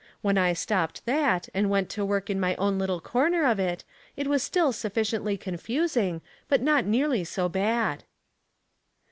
When I stopped that, and went to work in my own little corner of it, it was still sufficiently confusing, but not nearly so bad."